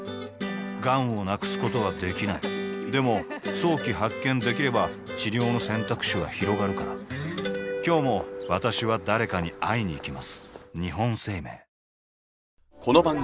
がんを無くすことはできないでも早期発見できれば治療の選択肢はひろがるから今日も私は誰かに会いにいきます